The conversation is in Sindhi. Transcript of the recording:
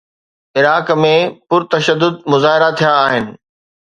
عراق ۾ پرتشدد مظاهرا ٿيا آهن.